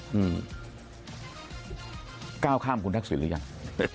ก้าวข้ามคุณทักศิลป์หรือยัง